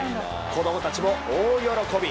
子供たちも大喜び。